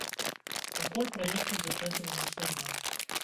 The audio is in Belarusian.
Пакуль праекта бюджэту ў нас няма.